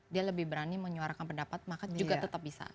dia lebih berani menyuarakan pendapat maka juga tetap bisa